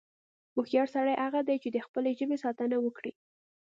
هوښیار سړی هغه دی، چې د خپلې ژبې ساتنه وکړي.